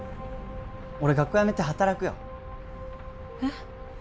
俺学校やめて働くよえっ